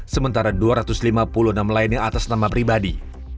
sementara dua ratus lima puluh enam lainnya atas nama pribadi